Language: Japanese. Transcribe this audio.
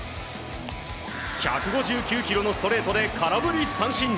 １５９キロのストレートで空振り三振。